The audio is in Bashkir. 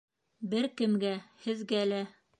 Бер кемгә, һеҙгә лә.